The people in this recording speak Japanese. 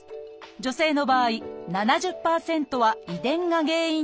女性の場合７０％は遺伝が原因といわれています